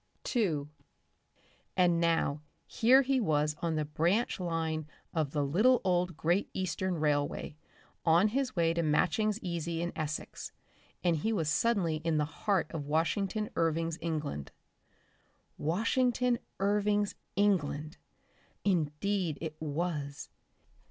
Section 2 And now here he was on the branch line of the little old Great Eastern Railway, on his way to Matching's Easy in Essex, and he was suddenly in the heart of Washington Irving's England. Washington Irving's England! Indeed it was.